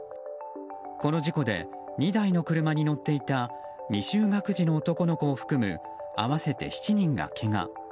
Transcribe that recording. この事故で２台の車に乗っていた未就学児の男の子を含む合わせて７人がけが。